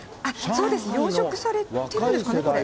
そうです、養殖されてるんですかね、これ。